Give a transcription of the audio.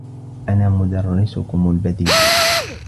أنا مدرّسكم البديل.